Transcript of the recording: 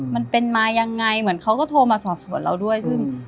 มันเป็นมายังไงเหมือนเขาก็โทรมาสอบสวนเราด้วยซึ่ง